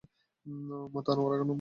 Mata Anowara Khanam.